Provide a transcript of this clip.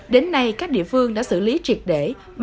đến nay các địa phương đã xử lý triệt để